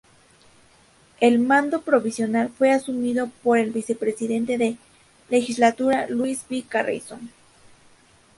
El mando provincial fue asumido por el presidente de la legislatura, Luis V. Carrizo.